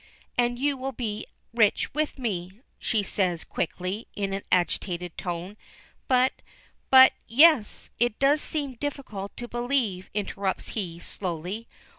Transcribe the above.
"And you will be rich with me," she says, quickly, in an agitated tone. "But, but " "Yes; it does seem difficult to believe," interrupts he, slowly.